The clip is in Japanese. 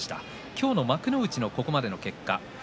今日の幕内のここまでの結果です。